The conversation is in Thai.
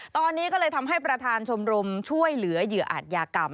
ตอนนี้ก็เลยทำให้ประธานชมรมช่วยเหลือเหยื่ออาจยากรรม